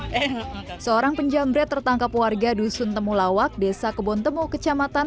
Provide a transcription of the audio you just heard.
hai seorang penjambret tertangkap warga dusun temulawak desa kebontemu kecamatan